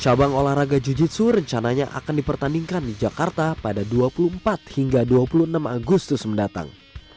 cabang olahraga jiu jitsu rencananya akan dipertandingkan di jakarta pada dua puluh empat hingga dua puluh enam agustus mendatang